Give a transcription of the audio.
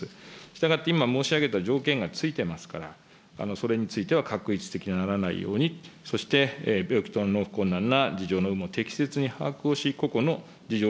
したがって、今申し上げた条件が付いてますから、それについては画一的にならないように、そして病気等の納付困難な事情の有無を適切に判断し、個々の事情